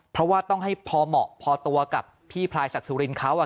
เพราะว่าต้องให้พอเหมาะพอตัวกับพี่พลายศักดิ์สุรินทร์เขา